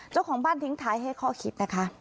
เจ้าของบ้านทิ้งท้ายให้ข้อคิดนะคะ